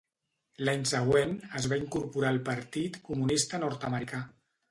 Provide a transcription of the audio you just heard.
L'any següent, es va incorporar al Partit Comunista Nord-americà.